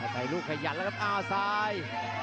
ใส่ลูกขยันแล้วครับอ้าวซ้าย